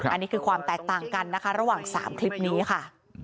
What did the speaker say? อันนี้คือความแตกต่างกันนะคะระหว่าง๓คลิปนี้ค่ะ